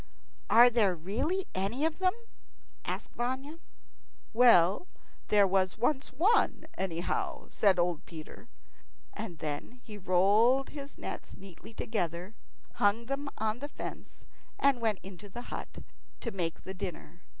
"Are there really any of them?" asked Vanya. "Well, there was once one, anyhow," said old Peter; and then he rolled his nets neatly together, hung them on the fence, and went into the hut to make the dinner.